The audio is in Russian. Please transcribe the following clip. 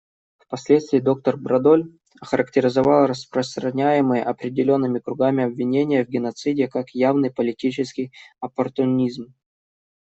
Впоследствии доктор Брадоль охарактеризовал распространяемые определенными кругами обвинения в геноциде как «явный политический оппортунизм».